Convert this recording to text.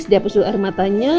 sudah bersudul air matanya